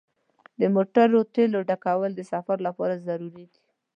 د موټر تیلو ډکول د سفر لپاره ضروري دي.